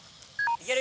いける。